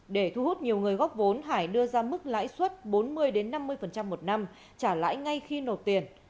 để thu hút nhiều người góp vốn hải đưa ra mức lãi suất bốn mươi năm mươi một năm trả lãi ngay khi nộp tiền